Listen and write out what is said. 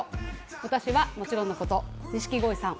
私はもちろんのこと、錦鯉さん